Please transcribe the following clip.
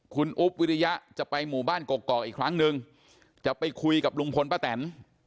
คุณอุ๊บวิริยะจะไปหมู่บ้านกกอกอีกครั้งนึงจะไปคุยกับลุงพลป้าแตน